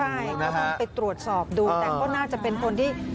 ใช่ก็ต้องไปตรวจสอบดูแต่ก็น่าจะเป็นคนที่